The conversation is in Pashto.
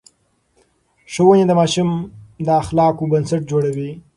ښوونې د ماشوم د اخلاقو بنسټ جوړوي.